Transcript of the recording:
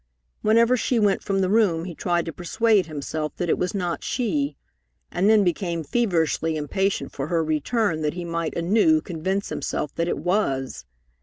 Whenever she went from the room he tried to persuade himself that it was not she, and then became feverishly impatient for her return that he might anew convince himself that it was.